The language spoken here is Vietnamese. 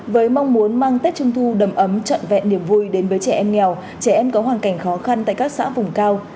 với mong muốn mang tết trung thu đầm ấm trọn vẹn niềm vui đến với trẻ em nghèo trẻ em có hoàn cảnh khó khăn tại các xã vùng cao